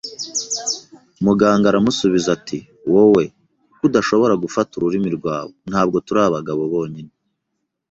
Muganga aramusubiza ati: “Wowe; “Kuko udashobora gufata ururimi rwawe. Ntabwo turi abagabo bonyine